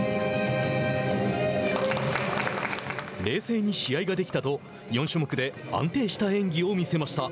冷静に試合ができたと４種目で安定した演技を見せました。